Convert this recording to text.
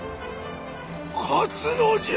勝つのじゃ！